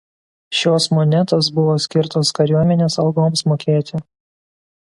Šio monetos buvo skirtos kariuomenės algoms mokėti.